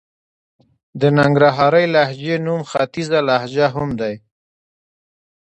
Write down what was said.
د ننګرهارۍ لهجې نوم ختيځه لهجه هم دئ.